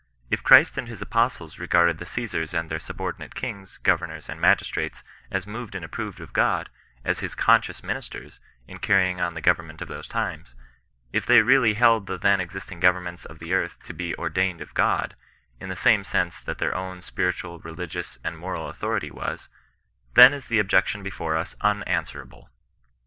If Christ and His apostles regarded the Caesars and their subordinate kings, gover nors, and magistrates, as moved and approved of God, as His consciotLs ministers, in carrying on the government of those times; if they really held the then existing governments of the earth to be ordained of God, in the same sense that their own spiritual, religious, and moral authority was, then is the objection before us unanswer ixble.